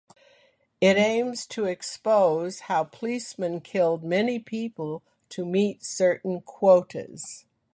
It aims to expose how policemen killed many people to meet certain quotas.